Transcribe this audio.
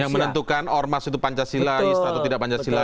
yang menentukan ormas itu pancasilais atau tidak pancasila